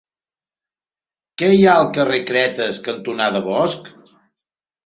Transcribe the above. Què hi ha al carrer Cretes cantonada Bosch?